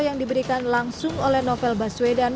yang diberikan langsung oleh novel baswedan